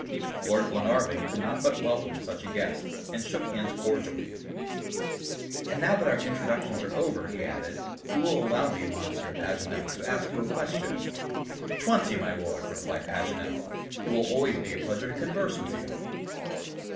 Lord Glenarvan could not but welcome such a guest, and shook hands cordially. "And now that our introductions are over," he added, "you will allow me, Monsieur Paganel, to ask you a question?" "Twenty, my Lord," replied Paganel; "it will always be a pleasure to converse with you."